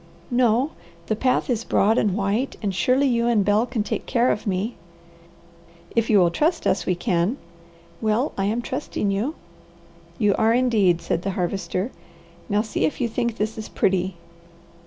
"No. The path is broad and white and surely you and Bel can take care of me." "If you will trust us we can." "Well, I am trusting you." "You are indeed," said the Harvester. "Now see if you think this is pretty."